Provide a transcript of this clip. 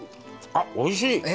あっおいしい！